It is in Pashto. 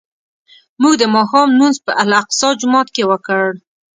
موږ د ماښام لمونځ په الاقصی جومات کې وکړ.